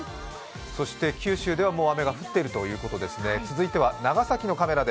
そして九州ではもう雨が降っているということですね。